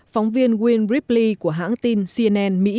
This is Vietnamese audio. phóng viên will ripley của hãng tin cnn